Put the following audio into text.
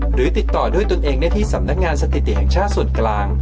หรือติดต่อด้วยตนเองได้ที่สำนักงานสถิติแห่งชาติส่วนกลาง